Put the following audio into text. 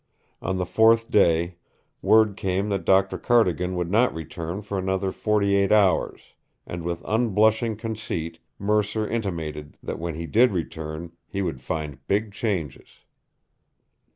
On the fourth day word came that Doctor Cardigan would not return for another forty eight hours, and with unblushing conceit Mercer intimated that when he did return he would find big changes.